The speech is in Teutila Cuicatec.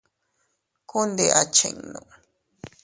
Ku ndi a chinnu.